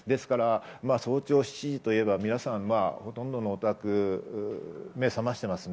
早朝７時といえば、ほとんどのお宅、目を覚ましてますね。